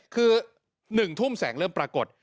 คือ๑ทุ่มแสงเริ่มปรากฏ